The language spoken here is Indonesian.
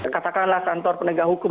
katakanlah kantor penegak hukum